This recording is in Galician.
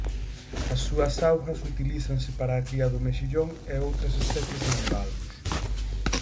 As súas augas utilízanse para a cría do mexillón e outras especies de bivalvos.